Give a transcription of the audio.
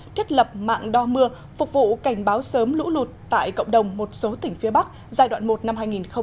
thiết lập mạng đo mưa phục vụ cảnh báo sớm lũ lụt tại cộng đồng một số tỉnh phía bắc giai đoạn một năm hai nghìn hai mươi